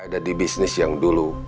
ada di bisnis yang dulu